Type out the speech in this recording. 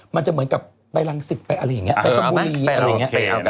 มันจะเหมือนกับไปรังศิษย์ไปอะไรอย่างเงี้ยไปชมบุรีอะไรอย่างเงี้ยไปเอาไป